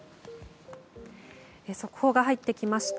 速報が入ってきました。